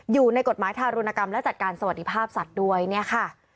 อยู่ในกฎหมายทารุณกรรมและจัดการสวัสดิภาพสัตว์ด้วยเนี่ยค่ะ